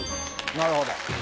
なるほど。